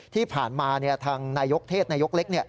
ที่ผ่านมาทางนายกเทศนายกเล็ก